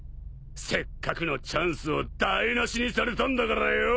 せっかくのチャンスを台無しにされたんだからよぉ。